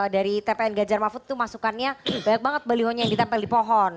dari tpn ganjar mahfud itu masukannya banyak banget balihonya yang ditempel di pohon